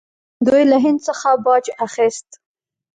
دوی له هند څخه باج اخیست